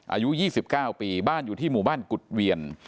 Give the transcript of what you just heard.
อายุยี่สิบเก้าปีบ้านอยู่ที่หมู่บ้านกุฏเวียน